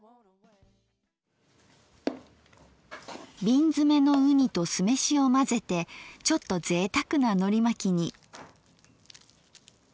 瓶詰めのうにと酢飯を混ぜてちょっとぜいたくなのりまきに。